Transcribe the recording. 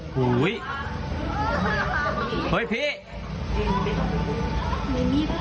หุ้ยเฮ้ยพีศาสตร์